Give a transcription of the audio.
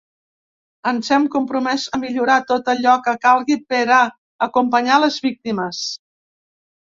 Ens hem compromès a millorar tot allò que calgui per a acompanyar les víctimes.